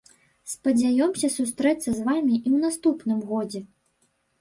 Спадзяёмся сустрэцца з вамі і ў наступным годзе.